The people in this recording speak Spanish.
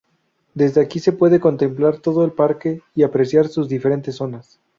Desde aquí se puede contemplar todo el parque y apreciar sus diferentes zonas.